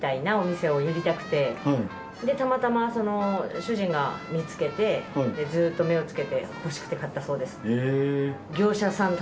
でたまたま主人が見つけてずっと目を付けて欲しくて買ったそうです。